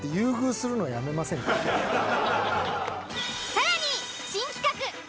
［さらに］